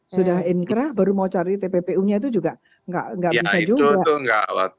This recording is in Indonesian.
sudah inkrah baru mau cari tppu nya itu juga nggak bisa juga